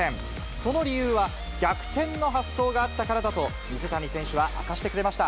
その理由は、逆転の発想があったからだと、水谷選手は明かしてくれました。